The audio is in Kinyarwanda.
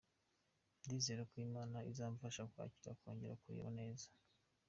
Ndizera ko Imana izamfasha nkakira nkongera kureba neza”.